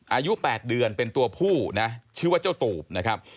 อายุ๘เดือนเป็นตัวผู้นะชื่อว่าเจ้าตูบนะครับ